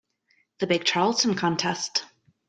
The big Charleston contest.